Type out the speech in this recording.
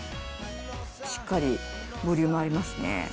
しっかりボリュームありますね。